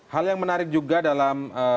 hal yang menarik juga dalam